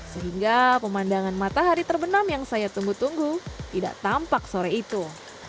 sehingga pemandangan matahari terbenam yang saya tunggu tunggu tidak tampak sore itu